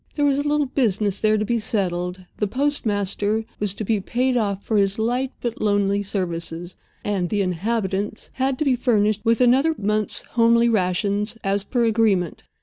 There was a little business there to be settled—the postmaster was to be paid off for his light but lonely services, and the "inhabitants" had to be furnished with another month's homely rations, as per agreement.